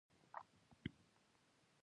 سړي ته بيخي نه معلومېدل.